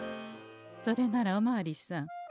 それならおまわりさん。